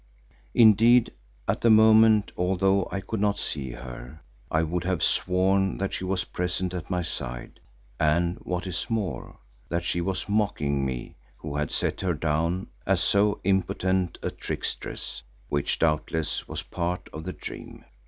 Indeed at the moment, although I could not see her, I would have sworn that she was present at my side, and what is more, that she was mocking me who had set her down as so impotent a trickstress, which doubtless was part of the dream.